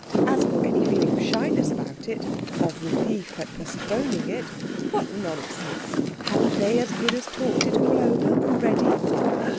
As for any feeling of shyness about it, of relief at postponing it what nonsense! Hadn't they as good as talked it all over already?